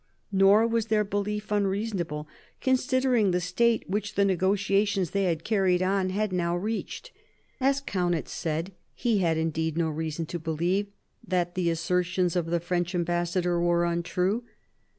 Nor was their belief unreasonable, considering the state which the negotiations they had carried on had now reached. As Kaunitz said, he had indeed no reason to believe that the assertions of the French ambassador were untrue.